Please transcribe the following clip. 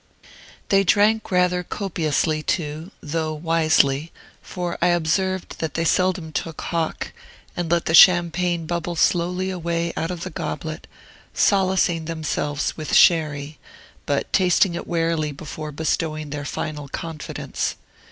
They drank rather copiously, too, though wisely; for I observed that they seldom took Hock, and let the Champagne bubble slowly away out of the goblet, solacing themselves with Sherry, but tasting it warily before bestowing their final confidence.